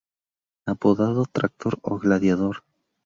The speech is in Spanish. Apodado Tractor o Gladiador.